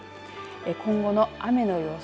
今後の雨の予想。